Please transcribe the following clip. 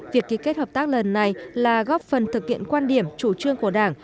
việc ký kết hợp tác lần này là góp phần thực hiện quan điểm chủ trương của đảng